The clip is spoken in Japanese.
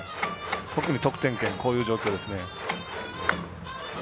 特に得点圏、こういう状況ですね。